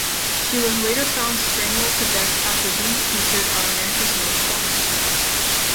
She was later found strangled to death after being featured on America's Most Wanted.